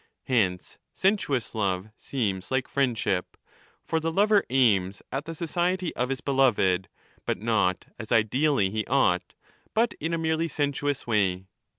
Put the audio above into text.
Hence sensuous love seems hke friendship ; for the lover aims at the society of his beloved, but not as ideally he ought, but in a merely sensuous way.